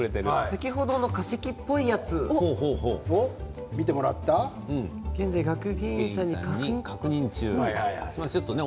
先ほどの化石っぽいやつを見てもらった学芸員さんが確認中。